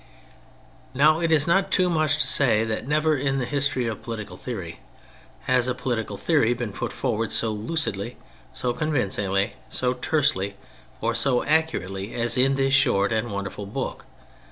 Now it is not too much to say that never in the history of political theory has a political theory been put forward so lucidly, so con vincingly, so tersely or so accurately as in this short and wonderful book.